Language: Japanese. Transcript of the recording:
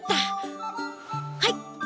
はい。